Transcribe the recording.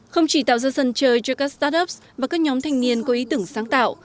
không chỉ tạo ra sân chơi cho các start ups và các nhóm thanh niên có ý tưởng sáng tạo